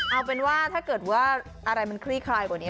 เอาเป็นว่าถ้าเกิดว่าอะไรมันคลี่คลายกว่านี้